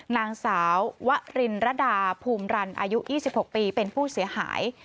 นางสาววรินรดาภูมิรันอายุ๒๖ปีเป็นผู้เสียหาย